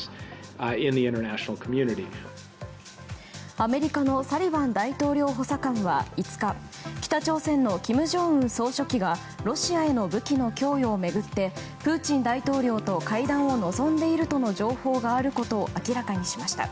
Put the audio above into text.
アメリカのサリバン大統領補佐官は５日北朝鮮の金正恩総書記がロシアへの武器の供与を巡ってプーチン大統領と会談を望んでいるとの情報があることを明らかにしました。